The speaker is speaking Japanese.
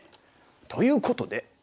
ということで。